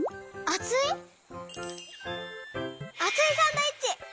あついサンドイッチ！